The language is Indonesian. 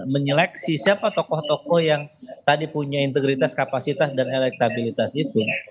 menyeleksi siapa tokoh tokoh yang tadi punya integritas kapasitas dan elektabilitas itu